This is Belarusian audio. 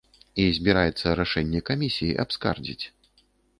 І збіраецца рашэнне камісіі абскардзіць.